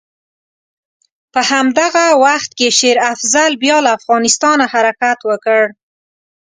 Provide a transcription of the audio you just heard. په همدغه وخت کې شېر افضل بیا له افغانستانه حرکت وکړ.